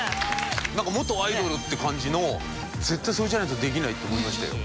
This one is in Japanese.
なんか元アイドルって感じの絶対それじゃないとできないって思いましたよ。